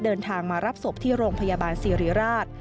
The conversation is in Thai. เดินทางมารับศพที่โรงพยาบาลสิริราช